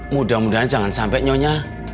mudah mudahan jangan sampai nyonya